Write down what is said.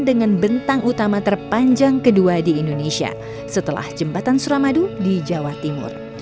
dengan bentang utama terpanjang kedua di indonesia setelah jembatan suramadu di jawa timur